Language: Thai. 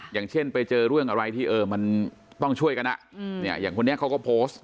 อย่างเช่นไปเจอเรื่องอะไรที่มันต้องช่วยกันอย่างคนนี้เขาก็โพสต์